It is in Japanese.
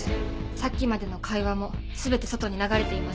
さっきまでの会話も全て外に流れていました。